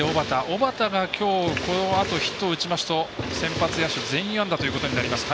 小幡が、このあとヒットを打ちますと先発野手全員安打ということになります。